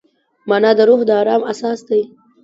مانا د روح د ارام اساس دی.